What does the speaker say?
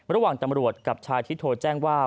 ระหว่างตำรวจกับชายที่โทรแจ้งว่า